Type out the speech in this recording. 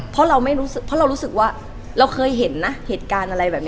เพราะเรารู้สึกว่าเคยเห็นเหตุการณ์อะไรแบบนั้น